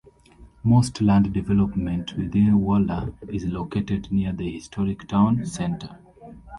Most land development within Waller is located near the historic town center.